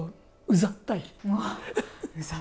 うざったい。